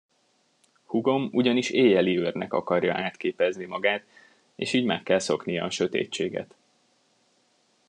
Húgom ugyanis éjjeliőrnek akarja átképezni magát, és így meg kell szoknia a sötétséget.